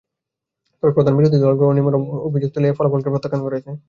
তবে প্রধান বিরোধী দলগুলো অনিয়মের অভিযোগ তুলে এ ফলাফলকে প্রত্যাখ্যান করেছে।